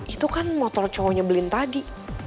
itu kan motor cowoknya belin tadi